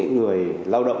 người lao động